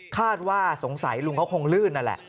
คาดว่าสงสัยลุงเขาคงลื่นนั่นแหละ